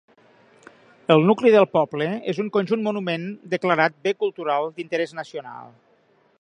El nucli del poble és un conjunt monument declarat bé cultural d'interès nacional.